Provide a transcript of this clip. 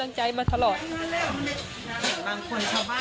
หลังจากผู้ชมไปฟังเสียงแม่น้องชมไป